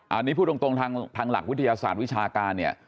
อันนี้พูดตรงทางหลักวิทยาศาสตร์วิชาการเนี่ย